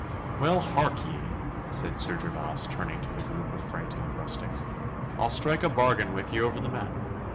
'Well, hark ye,' said Sir Gervas, turning to the group of frightened rustics. 'I'll strike a bargain with ye over the matter.